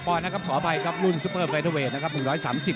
๑๒๘ปอนด์นะครับขออภัยครับรุ่นซุปเปอร์เฟสเตอร์เวสนะครับ